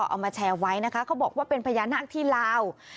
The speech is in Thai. เอามาแชร์ไว้นะคะเขาบอกว่าเป็นพญานาคที่ลาว